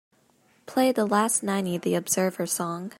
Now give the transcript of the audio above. play the last Niney The Observer song